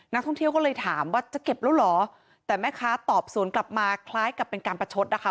นักท่องเที่ยวก็เลยถามว่าจะเก็บแล้วเหรอแต่แม่ค้าตอบสวนกลับมาคล้ายกับเป็นการประชดนะคะ